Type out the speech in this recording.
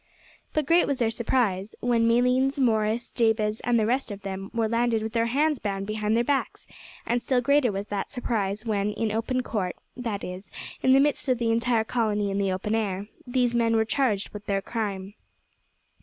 But great was their surprise when Malines, Morris, Jabez, and the rest of them were landed with their hands bound behind their backs; and still greater was that surprise when, in open court, that is, in the midst of the entire colony in the open air, these men were charged with their crime.